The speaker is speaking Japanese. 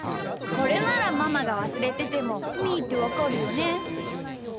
これならママがわすれててもみーってわかるよね。